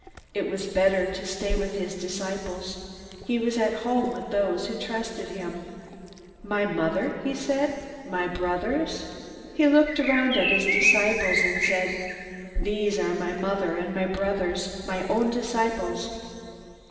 It was better to stay with his disciples. He was at home with those who trusted him. "My mother?" he said. "My brothers?" He looked around at his disciples, and said: "These are my mother and brothers my own disciples.